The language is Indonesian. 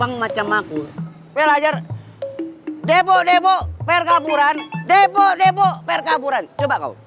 ah macam itulah ayo terus